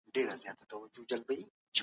زنا لویه بې حیایي او جرم دی.